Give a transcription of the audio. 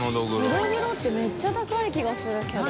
のどぐろってめっちゃ高い気がするけど。